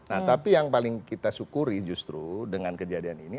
nah tapi yang paling kita syukuri justru dengan kejadian ini